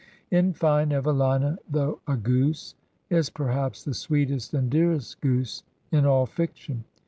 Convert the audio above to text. In fine, Evelina, though a goose, is perhaps the sweetest and dearest goose in all fiction.